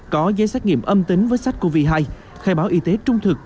có giấy xét nghiệm âm tính với sách covid hai khai báo y tế trung thực